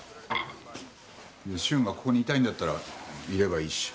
いや瞬がここにいたいんだったらいればいいし。